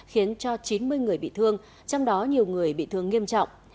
khiến cho chín mươi người bị thương trong đó nhiều người bị thương nghiêm trọng